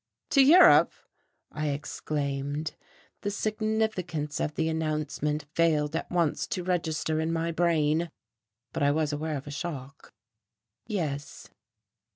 "To Europe!" I exclaimed. The significance of the announcement failed at once to register in my brain, but I was aware of a shock. "Yes."